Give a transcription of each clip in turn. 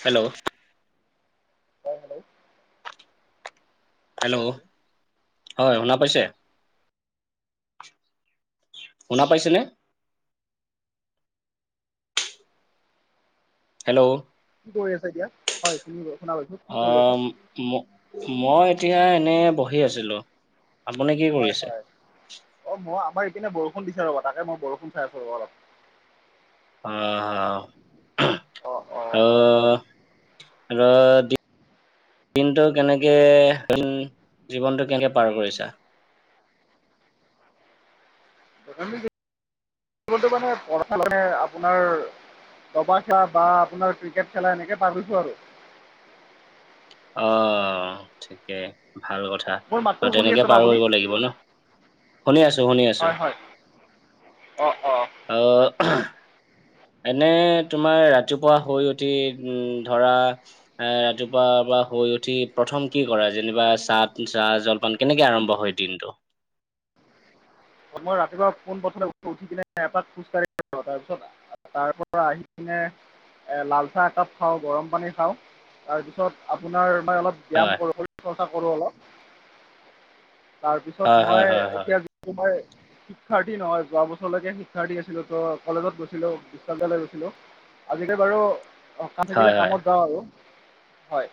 Hello. অ', hello. Hello. হয়, শুনা পাইছে? শুনা পাইছে নে? হেল্ল'। কি কৰি আছে এতিয়া হয়, তুমি শুনা পাইছোঁ। অ', ম মই এতিয়া এনে বহি আছিলো। আপুনি কি কৰি হয় আছে -হয় অ', মই আমাৰ ইপিনে বৰষুণ দিছে ৰ'বা তাকে মই বৰষুণ চাই আছো ৰবা অলপ। অ', হ অ অ হহঃ আহ ৰ দি দিনটো কেনেকে [unintelligible] জীৱনটো কেনেকে পাৰ কৰিছা? আমি জীৱন টো মানে পঢ়া মানে আপোনাৰ তবাচা বা আপোনাৰ ক্ৰিকেট খেলা এনেকে পাৰিছো আৰু। অ, ঠিকেই ভাল কথা কা মোৰ মাতটো আৰু শুনি তেনেকে আছে ন পাৰ আপুনি? কৰিব লাগিব ন? শুনি আছো শুনি আছো। হয় হয় অ অ। অ অহ। এনে তোমাৰ ৰাতিপুৱা শুই উঠি উম ধৰা এ ৰাতিপুৱা বা শুই উঠি প্ৰথম কি কৰা যেনিবা চাহ তো চাহ জলপান কেনেকে আৰম্ভ হয় দিনটো? অ মই ৰাতিপুৱা পোনপ্ৰথমে উঠোঁ, উঠি কিনে এপাক খোজ কাঢ়ি [inaudible] তাৰপিছত তাৰ পৰা আহি কিনে এ লালচাহ একাপ খাওঁ, গৰম পানী খাওঁ তাৰপিছত আপোনাৰ মানে অলপ ব্যায়াম হয় কৰিবলৈ চৰ্চা কৰো অলপ হয় তাৰপিছত হয় মই হয় এতিয়া তোমাৰে শিক্ষাৰ্থী নহয় যোৱা বছৰলৈকে শিক্ষাৰ্থী আছিলো ত কলেজত গৈছিলো, বিশ্ববিদ্যালয়ত গৈছিলো। আজিকালি বাৰু সকাহ হয় থাকিলে হয় কামত যাওঁ আৰু হয়।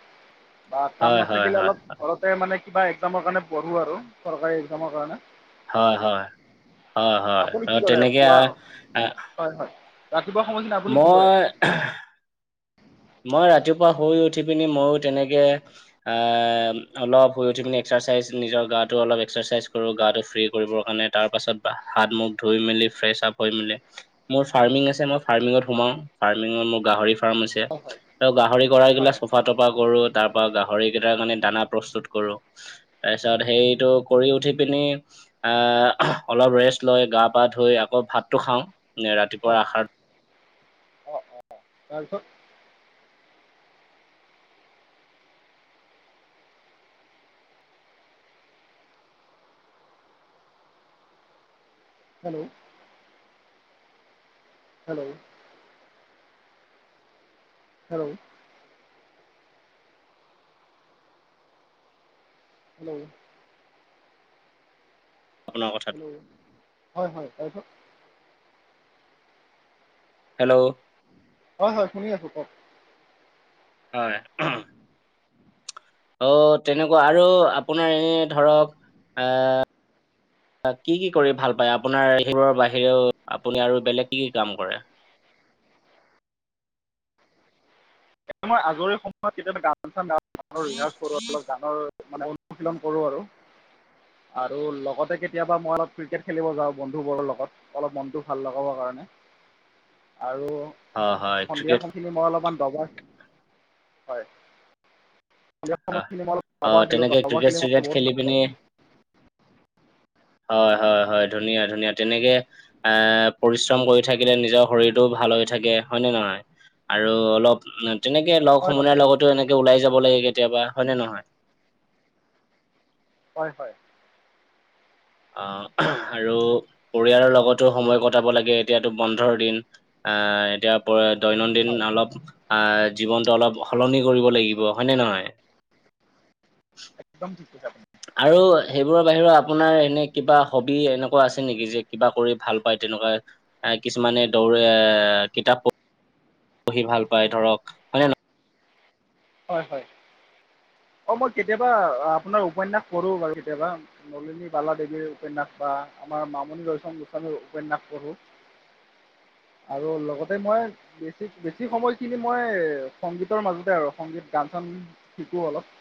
বা কাম হয় হয় নাথাকিলে হয় অলপ ঘৰতে মানে কিবা একজামৰ কাৰণে পঢ়ো আৰু চৰকাৰী একজামৰ কাৰণে। হয় হয়, হয় হয় আপুনি ত কি কৰে তেনেকে আ পুৱা আ হয় হয়। ৰাতিপুৱা সময়খিনি আ মই আহ মই ৰাতিপুৱা শুই উঠি পিনি মইও তেনেকে আম অলপ শুই উঠি পিনি এক্সাৰচাইজ নিজৰ গাটো অলপ এক্সাৰচাইজ কৰোঁ, গাটো ফ্ৰী কৰিবৰ কাৰণে তাৰ পাছত হাত - মুখ ধুই মেলি ফ্ৰেচ আপ হৈ মেলি মোৰ ফাৰ্মিং আছে, মই ফাৰ্মিঙত সোমাও। ফাৰ্মিঙত মোৰ গাহৰি ফাৰ্ম আছে। হয় হয় ত গাহৰি গঢ়ালগীলা হয় চফা - তফা কৰো তাৰ পৰা গাহৰি কেইটাৰ কাৰনে দানা প্ৰস্তুত কৰো। হয় তাৰপিছত সেইটো কৰি উঠি পিনি আ আহ অলপ ৰেষ্ট লৈ গা পা ধুই আকৌ ভাতটো খাওঁ এ হয় ৰাতিপুৱা আষাৰ অঁ অঁ তাৰপিছত হেল্ল'? হেল্ল? হেল্ল'? হেল্ল? আপোনাৰ কথাটো হেল্ল'? হয় হয় তাৰপিছত? হেল্ল'? হয় হয় শুনি আছো কওক? হয় অহ অ তেনেকুৱা আৰু আপোনাৰ এনে ধৰক আহ আ কি কি কৰি ভাল পায় আপোনাৰ সেইবোৰৰ বাহিৰেও আপুনি আৰু বেলেগ কি কি কাম কৰে? এ মই আজৰি সময়ত কেতিয়াবা গান চান গান ৰিহাৰছ কৰোঁ অলপ গানৰ মানে অনুশীলন কৰোঁ আৰু। আৰু লগতে কেতিয়াবা মই অলপ ক্ৰিকেট খেলিব যাওঁ বন্ধুবোৰৰ লগত। অলপ মনটো ভাল লগাবৰ কাৰণে আৰু হয় হয় সন্ধিয়া ক্ৰিকেট সময়খিনি মই অলপমান ডবা হয়, খো [inaudible] হয় অ' খেল মই তেনেকে ক্ৰিকেট চ্ৰিকেট বহুত খেলি ভাল পিনি পাওঁ। [inaudible] হয় হয় হয় ধুনীয়া ধুনীয়া তেনেকে এ পৰিশ্ৰম কৰি থাকিলে নিজৰ শৰীৰটোও ভাল হৈ থাকে হয় নে নহহয় আৰু অলপ তেনেকে লগ হয় হয় সমনাৰ লগতো এনেকে ওলাই যাব লাগে কেতিয়াবা হয়নেে নহয় হয় হয় আহ আৰু পৰিয়ালৰ লগতো সময় কটাব লাগে এতিয়াতো বন্ধৰ দিন আহ এতিয়া দৈনন্দিন হয় অলপ আহ জীৱনটো অলপ সলনি কৰিব লাগিব হয়নে নহয় একদম ঠিক আছে আপনি [unintelligible] আৰু সেইবোৰৰ বাহিৰে আপোনাৰ এনে কিবা হবি এনেকুৱা আছে নেকি যে কিবা কৰি ভাল পায় তেনেকুৱা এ কিছুমানে দৌৰে এ কিতাপ পঢ়ি পঢ়ি ভাল পায় ধৰক হয়নে হয় হয় অ মই কেতিয়াবা আপোনাৰ উপন্যাস পঢ়ো বাৰু কেতিয়াবা নলিনী বালা দেৱীৰ উপন্যাস বা আমাৰ মামণি ৰয়চম গোস্বামীৰ উপন্যাস পঢ়ো আৰু লগতে মই বেছি বেছি সময়খিনি মই সংগীতৰ মাজতে আৰু সংগীত গান চান শিকো অলপ